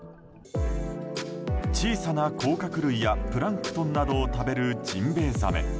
小さな甲殻類やプランクトンなどを食べるジンベイザメ。